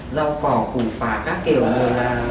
rau khỏ khủ phả các kiểu rồi là